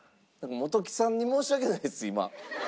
元木さんに申し訳ないです今。